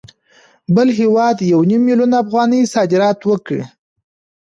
بل هېواد یو نیم میلیون افغانۍ صادرات وکړي